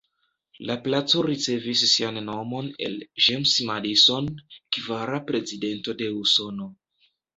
La placo ricevis sian nomon el James Madison, kvara Prezidento de Usono.